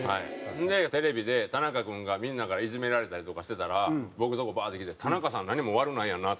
ほんでテレビで田中君がみんなからいじめられたりとかしてたら僕のとこバーッて来て「田中さん何も悪ないやんな」。